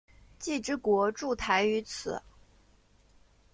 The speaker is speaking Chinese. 既之国筑台于此。